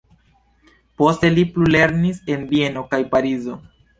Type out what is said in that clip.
Poste li plulernis en Vieno kaj Parizo.